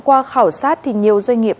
qua khảo sát thì nhiều doanh nghiệp